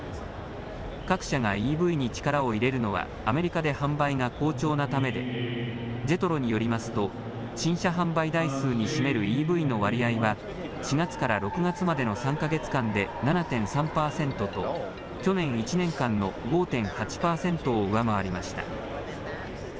各社がＥＶに力を入れるのはアメリカで販売が好調なためでＪＥＴＲＯによりますと新車販売台数に占めるＥＶの割合は４月から６月までの３か月間で７．３％と去年１年間の５．８％を上回りました。